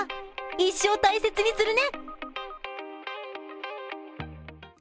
一生大切にするね。